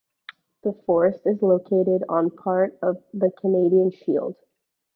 The forest is located on part of the Canadian Shield.